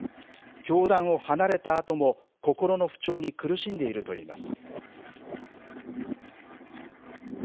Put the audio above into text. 教団を離れたあとも心の不調に苦しんでいるといいます。